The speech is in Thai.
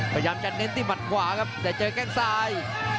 พยายามจะเน้นที่หมัดขวาครับแต่เจอแข้งซ้าย